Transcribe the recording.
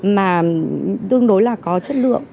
mà tương đối là có chất lượng